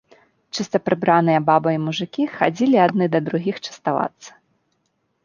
Чыста прыбраныя бабы і мужыкі хадзілі адны да другіх частавацца.